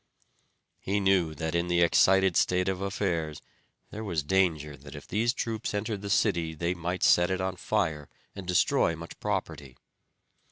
He knew that in the excited state of affairs there was danger that if these troops entered the city they might set it on fire and destroy much property.